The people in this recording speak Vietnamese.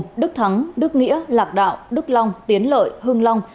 tôn đức thắng đức nghĩa lạc đạo đức long tiến lợi hưng long